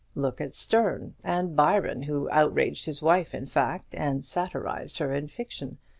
Look at Sterne; and Byron, who outraged his wife in fact, and satirized her in fiction.